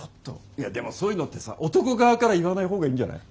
いやでもそういうのってさ男側から言わない方がいいんじゃない？